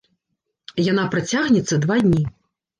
Яна працягнецца два дні.